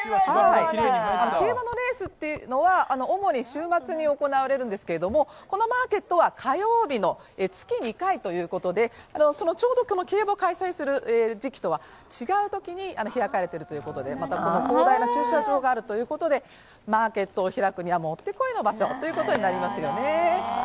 競馬のレースというのは主に週末に行われるんですけれども、このマーケットは火曜日の月２回ということでちょうど競馬を開催する時期とは違う時に開かれているということでこの広大な駐車場があるということでマーケットを開くにはもってこいの場所ということになりますよね。